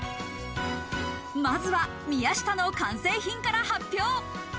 まずは宮下の完成品から発表。